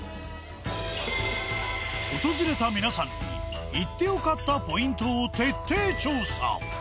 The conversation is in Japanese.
訪れた皆さんに行って良かったポイントを徹底調査。